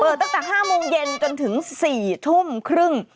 ตั้งแต่๕โมงเย็นจนถึง๔ทุ่มครึ่ง